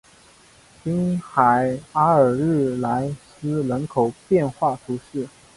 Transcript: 滨海阿尔日莱斯人口变化图示